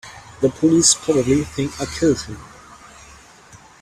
The police probably think I killed him.